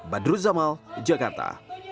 badru zamal jakarta